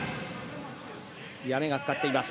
やめがかかっています。